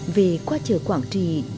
về qua chờ quảng tri